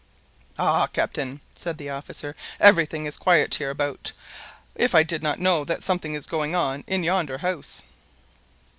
"Ah, captain!" said the officer, "everything is quiet hereabout—if I did not know that something is going on in yonder house!"